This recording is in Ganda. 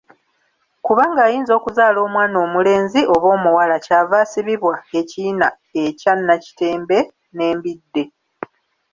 Kubanga ayinza okuzaala omwana omulenzi oba omuwala kyava asibibwa ekiyina ekya nakitembe n'embidde.